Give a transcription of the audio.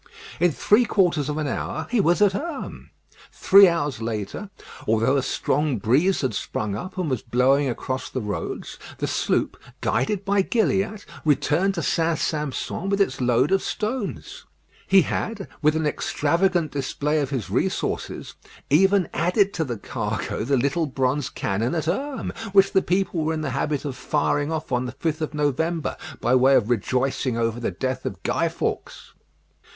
In three quarters of an hour he was at Herm. Three hours later, although a strong breeze had sprung up and was blowing across the roads, the sloop, guided by Gilliatt, returned to St. Sampson with its load of stones. He had, with an extravagant display of his resources, even added to the cargo the little bronze cannon at Herm, which the people were in the habit of firing off on the 5th of November, by way of rejoicing over the death of Guy Fawkes.